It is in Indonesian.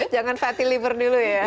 jangan fatty liver dulu ya